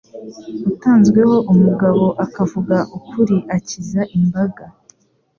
Utanzweho umugabo akavuga ukuri akiza imbaga